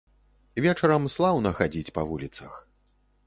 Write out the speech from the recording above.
Вечарам слаўна хадзіць па вуліцах.